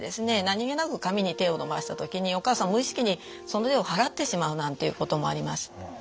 何気なく髪に手を伸ばした時にお母さん無意識にその手を払ってしまうなんていうこともあります。